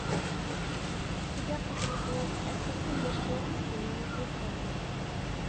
ئۈستىگە قاچىلىسىڭىز ئەسلىدىكى مەشغۇلات سىستېمىڭىز يوق بولىدۇ.